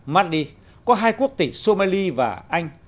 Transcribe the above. mali có hai quốc tịch somali và anh